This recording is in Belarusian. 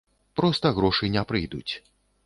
Проста грошы не прыйдуць.